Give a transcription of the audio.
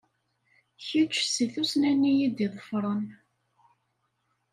Kečč si tsuta-nni i d-iḍefren.